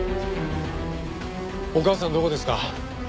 お母さんどこですか？